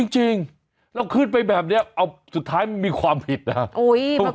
จริงแล้วขึ้นไปแบบนี้เอาสุดท้ายมันมีความผิดนะครับ